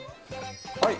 はい。